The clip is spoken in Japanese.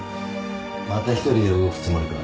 また１人で動くつもりか？